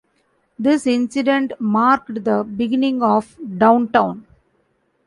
This incident marked the beginning of Downtown.